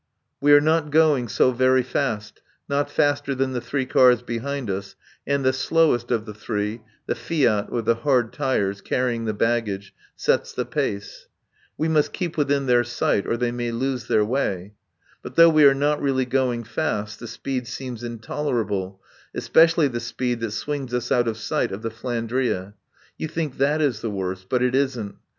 We are not going so very fast, not faster than the three cars behind us, and the slowest of the three (the Fiat with the hard tyres, carrying the baggage) sets the pace. We must keep within their sight or they may lose their way. But though we are not really going fast, the speed seems intolerable, especially the speed that swings us out of sight of the "Flandria." You think that is the worst. But it isn't.